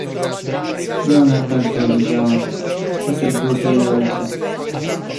"I ona tak go widziała, chociaż był to jej ojciec."